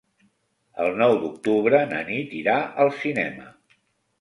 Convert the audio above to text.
El nou d'octubre na Nit irà al cinema.